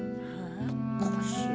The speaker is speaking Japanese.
おかしいな。